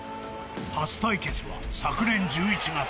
［初対決は昨年１１月］